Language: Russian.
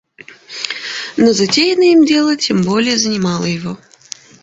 Но затеянное им дело тем более занимало его.